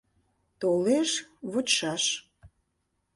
Толеш, вочшаш.